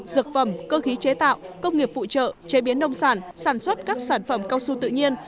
dược phẩm cơ khí chế tạo công nghiệp phụ trợ chế biến nông sản sản xuất các sản phẩm cao su tự nhiên